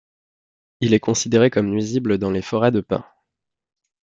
Il est considéré comme nuisible dans les forêts de pins.